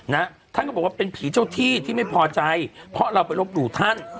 นะท่านก็บอกว่าเป็นผีเจ้าที่ที่ไม่พอใจเพราะเราไปรบหลู่ท่าน